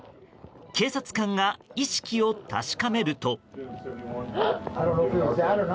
警察官が意識を確かめると。